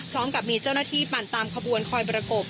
พร้อมกับมีเจ้าหน้าที่ปั่นตามขบวนคอยประกบ